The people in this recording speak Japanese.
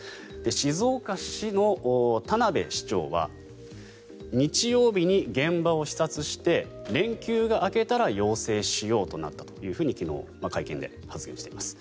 静岡市の田辺市長は日曜日に現場を視察して連休が明けたら要請しようとなったと昨日、会見で発言しています。